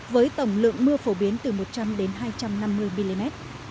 với tổng lượng mưa phổ biến từ một trăm linh đến hai trăm năm mươi mm